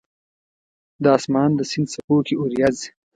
د اسمان د سیند څپو کې اوریځ